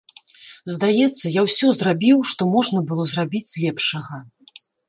Здаецца, я ўсё зрабіў, што можна было зрабіць лепшага.